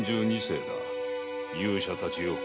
勇者たちよ